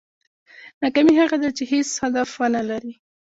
ناکامي هغه ده چې هېڅ هدف ونه لرې.